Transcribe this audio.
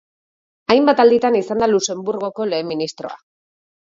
Hainbat alditan izan da Luxenburgoko lehen ministroa.